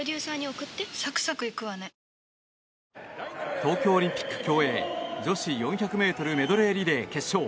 東京オリンピック競泳女子４００ｍメドレーリレー決勝。